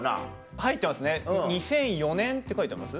入ってますね２００４年って書いてあります？